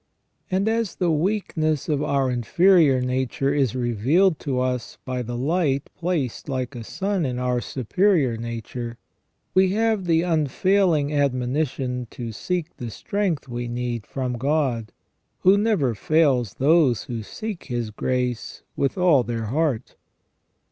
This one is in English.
And as the weakness of our inferior nature is revealed to us by the light placed like a sun in our superior nature, we have the unfailing admonition to seek the strength we need from God, who never fails those who seek His grace with all their heart.